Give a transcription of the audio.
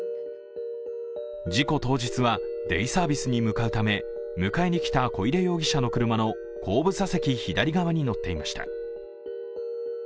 事故当日はデイサービスに向かうため迎えにきた小出容疑者の車の後部座席左側に乗っていました。